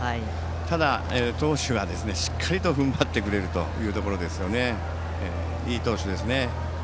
ただ、しっかりと踏ん張ってくれるというところでいい投手ですよね。